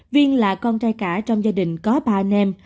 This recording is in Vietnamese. viên là con trai cả trong gia đình có ba nêm